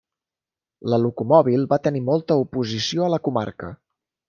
La locomòbil va tenir molta oposició a la comarca.